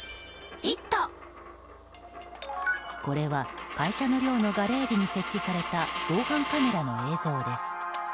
これは会社の寮のガレージに設置された防犯カメラの映像です。